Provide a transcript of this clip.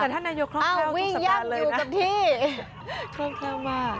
แต่ถ้านายกเคราะห์เคราะห์ทุกสัปดาห์เลยนะอ้าววิ่งแย่งอยู่กับที่เคราะห์เคราะห์มาก